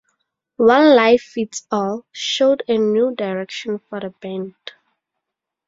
"One Lie Fits All" showed a new direction for the band.